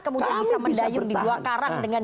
kemudian bisa mendayung di dua karang dengan